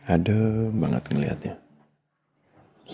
ade banget ngelihatnya